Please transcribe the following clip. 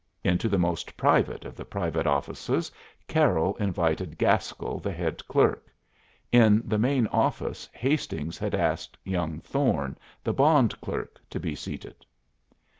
Into the most private of the private offices Carroll invited Gaskell, the head clerk; in the main office Hastings had asked young Thorne, the bond clerk, to be seated.